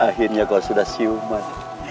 akhirnya kau sudah siuman